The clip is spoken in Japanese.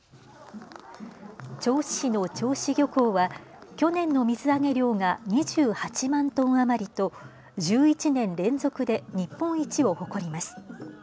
銚子市の銚子漁港は去年の水揚げ量が２８万トン余りと１１年連続で日本一を誇ります。